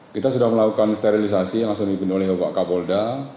kita sudah melakukan sterilisasi langsung dipimpin oleh bapak kapolda